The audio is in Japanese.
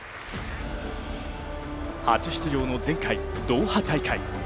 初出場の前回、ドーハ大会。